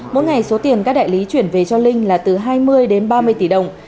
mỗi ngày số tiền các đại lý chuyển về cho linh là từ hai mươi đến ba mươi tỷ đồng